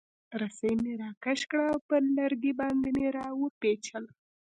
رسۍ مې راکش کړه او پر لرګي باندې مې را وپیچله.